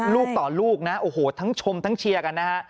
ลูกต่อลูกนะทั้งชมทั้งเชียร์กันนะ